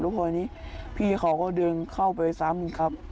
พอนี้พี่เขาก็เดินเข้าไปซ้ำอีกครับ